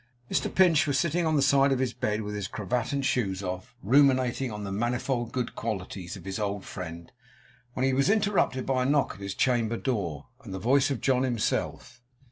Mr Pinch was sitting on the side of his bed with his cravat and shoes off, ruminating on the manifold good qualities of his old friend, when he was interrupted by a knock at his chamber door, and the voice of John himself.